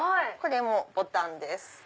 これもボタンです。